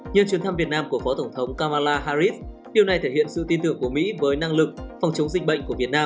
nhân chuyến thăm việt nam của phó tổng thống kavala harris điều này thể hiện sự tin tưởng của mỹ với năng lực phòng chống dịch bệnh của việt nam